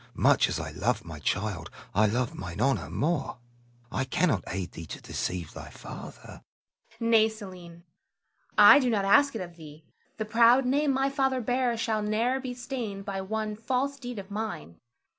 much as I love my child, I love mine honor more. I cannot aid thee to deceive thy father. Zara. Nay, Selim, I do not ask it of thee. The proud name my father bears shall ne'er be stained by one false deed of mine.